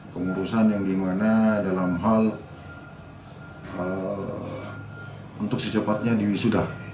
pengurusan yang dimana dalam hal untuk secepatnya di wisuda